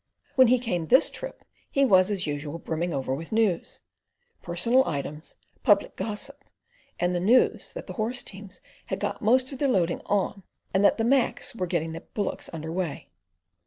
When he came this trip he was, as usual, brimming over with news: personal items, public gossip, and the news that the horse teams had got most of their loading on, and that the Macs were getting their bullocks under way.